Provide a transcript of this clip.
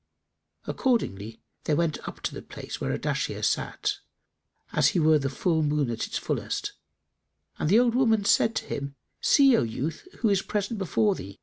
Accordingly they went up to the place where Ardashir sat, as he were the full moon at its fullest, and the old woman said to him, "See O youth, who is present before thee!